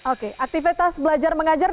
oke aktivitas belajar mengajar